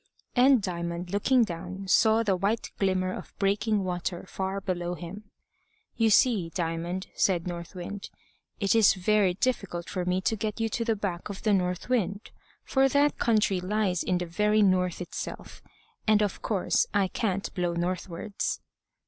And Diamond, looking down, saw the white glimmer of breaking water far below him. "You see, Diamond," said North Wind, "it is very difficult for me to get you to the back of the north wind, for that country lies in the very north itself, and of course I can't blow northwards."